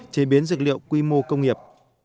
chế biến dược liệu quy mô công nghiệp